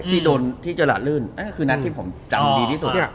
ที่โดนที่จราดลื่นนั่นก็คือนัดที่ผมจำดีที่สุด